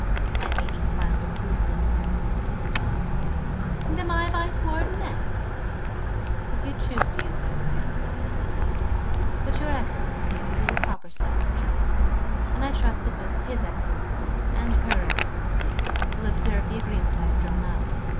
My Lady smiled approval of the sentiment, and went on. "And am I Vice Wardeness?" "If you choose to use that title," said the Warden: "but 'Your Excellency' will be the proper style of address. And I trust that both 'His Excellency' and 'Her Excellency' will observe the Agreement I have drawn up.